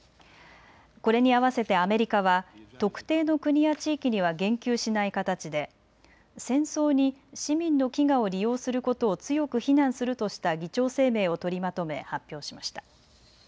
これに合わせてアメリカは特定の国や地域には言及しない形で戦争に市民の飢餓を利用することを強く非難するとした議長声明を取りまとめ発表しました。